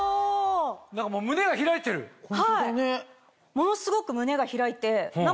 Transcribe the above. ものすごく。